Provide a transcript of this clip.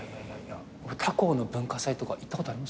他校の文化祭とか行ったことあります？